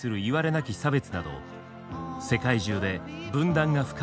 なき差別など世界中で分断が深まっています。